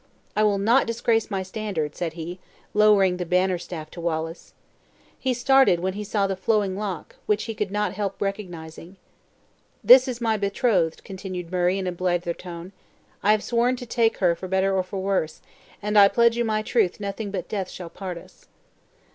"I will not disgrace my standard!" said he, lowering the banner staff to Wallace. He started when he saw the flowing lock, which he could not help recognizing. "This is my betrothed," continued Murray in a blither tone; "I have sworn to take her for better for worse, and I pledge you my truth nothing but death shall part us!"